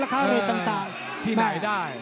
ราคาเรทต่างที่ไหนได้